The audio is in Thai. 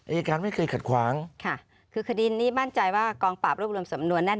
อายการไม่เคยขัดขวางค่ะคือคดีนี้มั่นใจว่ากองปราบรวบรวมสำนวนแน่น